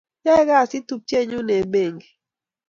Yae kasi tupchennyu eng' pengi